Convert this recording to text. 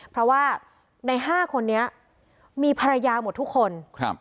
เพราะว่าใน๕คนนี้มีภรรยาหมดทุกคน